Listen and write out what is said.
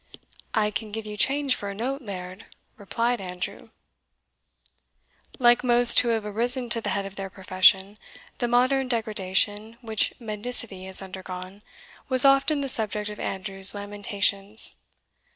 "I can give you change for a note, laird," replied Andrew. Like most who have arisen to the head of their profession, the modern degradation which mendicity has undergone was often the subject of Andrew's lamentations.